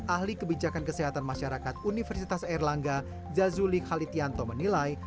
ahli kebijakan kesehatan masyarakat universitas airlangga zazuli khalitianto menilai